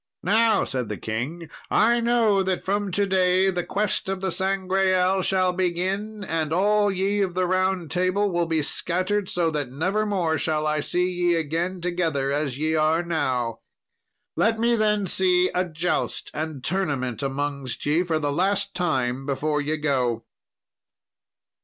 "Now," said the king, "I know that from to day the quest of the Sangreal shall begin, and all ye of the Round Table will be scattered so that nevermore shall I see ye again together as ye are now; let me then see a joust and tournament amongst ye for the last time before ye go."